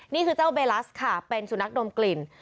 นี่คือเจ้าเบลัสค่ะเป็นสุนัขดมกลิ่น